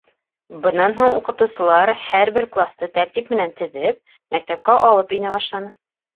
Бынан һуң уҡытыусылар, һәр бер класты тәртип менән теҙеп, мәктәпкә алып инә башланы.